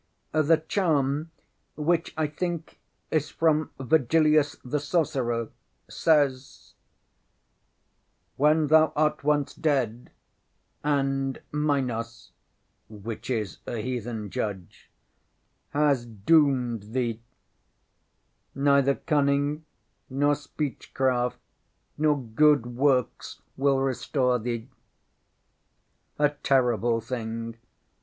ŌĆśŌĆ£The charm, which I think is from Virgilius the Sorcerer, says: ŌĆśWhen thou art once dead, and MinosŌĆÖ (which is a heathen judge) ŌĆśhas doomed thee, neither cunning, nor speechcraft, nor good works will restore thee! ŌĆÖ A terrible thing!